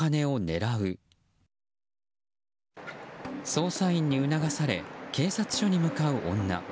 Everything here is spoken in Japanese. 捜査員に促され警察署に向かう女。